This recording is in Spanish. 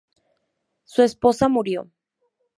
Su esposa murió.